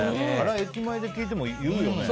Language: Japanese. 駅前で聞いても言うよね。